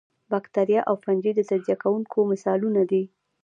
باکتریا او فنجي د تجزیه کوونکو مثالونه دي